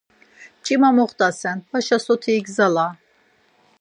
Mç̌ima moxtasen, vaşa soti igzala!